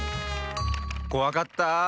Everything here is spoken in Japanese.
こわかったあ。